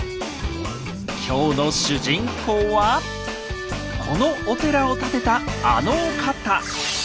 今日の主人公はこのお寺を建てたあのお方。